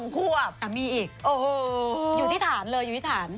๒ขวบอันนี้อีกอยู่ที่ฐานเลยอยู่ที่ฐาน